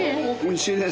おいしいね。